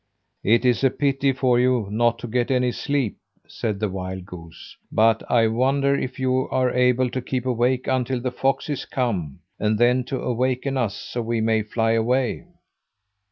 "It is a pity for you not to get any sleep!" said the wild goose, "but I wonder if you are able to keep awake until the foxes come, and then to awaken us, so we may fly away."